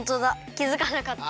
きづかなかった。